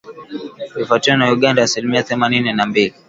ikifuatiwa na Uganda asilimia themanini na mbili